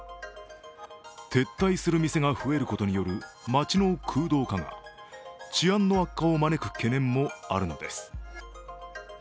撤退する店が増えることによる街の空洞化が治安の悪化を招く懸念もあるのです。